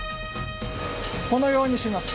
このようにします。